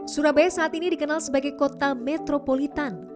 surabaya saat ini dikenal sebagai kota metropolitan